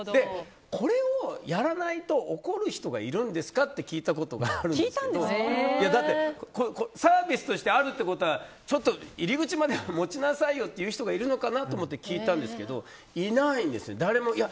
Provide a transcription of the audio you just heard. これをやらないと怒る人がいるんですか？って聞いたことがあるんですけどサービスとしてあるってことは入り口まで持ちなさいよと言う人がいるのかと思って聞いたんですけどいないんですよね、誰も。